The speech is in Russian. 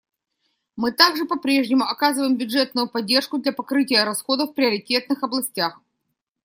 Мы также по-прежнему оказываем бюджетную поддержку для покрытия расходов в приоритетных областях.